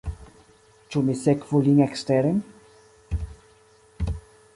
Ĉu mi sekvu lin eksteren?